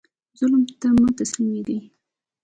ظالم ته مه تسلیمیږئ